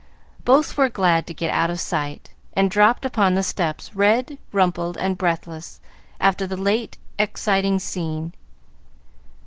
Both were glad to get out of sight, and dropped upon the steps red, rumpled, and breathless, after the late exciting scene.